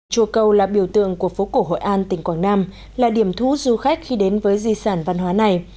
chùa cầu là biểu tượng của phố cổ hội an tỉnh quảng nam là điểm thu hút du khách khi đến với di sản văn hóa này